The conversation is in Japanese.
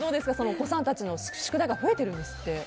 お子さんたちの宿題が増えているんですって。